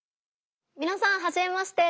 みなさんはじめまして。